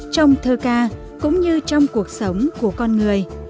trong thơ ca cũng như trong cuộc sống của con người